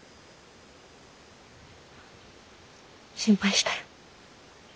心配したよ。